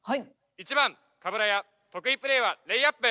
１番鏑得意プレーはレイアップ。